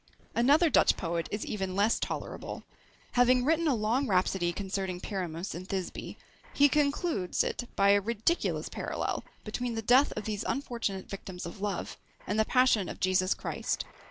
Another Dutch poet is even less tolerable. Having written a long rhapsody concerning Pyramus and Thisbe, he concludes it by a ridiculous parallel between the death of these unfortunate victims of love, and the passion of Jesus Christ.